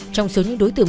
trong số những đối tượng